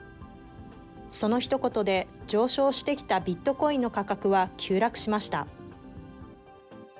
そのひと言で、上昇してきたビットコインの価格は急落しました。